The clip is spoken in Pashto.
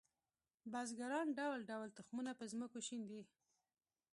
بزګران ډول ډول تخمونه په ځمکو شیندي